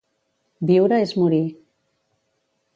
Viure és morir.